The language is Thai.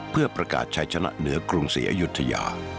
เพื่อประกาศชายชนะเหนือกรุงศรีอยุธยา